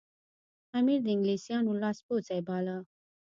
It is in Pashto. امیر د انګلیسیانو لاس پوڅی باله.